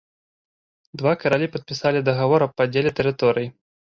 Два каралі падпісалі дагавор аб падзеле тэрыторый.